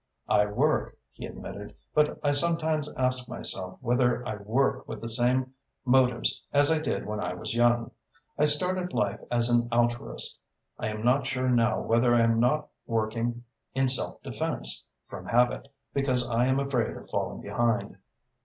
"I work," he admitted, "but I sometimes ask myself whether I work with the same motives as I did when I was young. I started life as an altruist. I am not sure now whether I am not working in self defence, from habit, because I am afraid of falling behind."